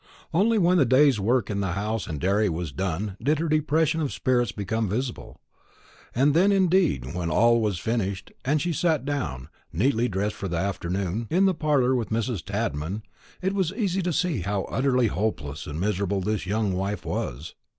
Only when the day's work in house and dairy was done did her depression of spirits become visible. Then, indeed, when all was finished, and she sat down, neatly dressed for the afternoon, in the parlour with Mrs. Tadman, it was easy to see how utterly hopeless and miserable this young wife was.